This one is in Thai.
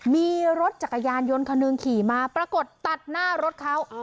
มีรถจักรยานยนต์คนหนึ่งขี่มาปรากฏตัดหน้ารถเขา